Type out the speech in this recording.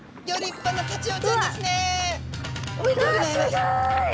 おめでとうございます。